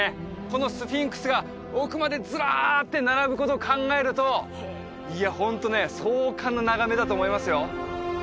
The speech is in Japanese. このスフィンクスが奥までずらって並ぶことを考えるといやホントね壮観な眺めだと思いますよ